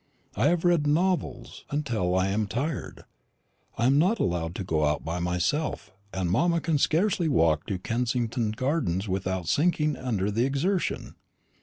I have read novels until I am tired. I am not allowed to go out by myself, and mamma can scarcely walk to Kensington gardens without sinking under the exertion.